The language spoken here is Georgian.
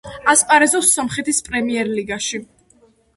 ასპარეზობს სომხეთის პრემიერლიგაში.